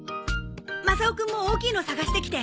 マサオくんも大きいの探してきて。